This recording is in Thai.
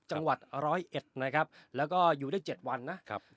จังหวัดร้อยเอ็ดนะครับแล้วก็อยู่ได้๗วันนะครับ